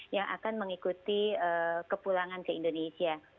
yang akan mengikuti kepulangan ke indonesia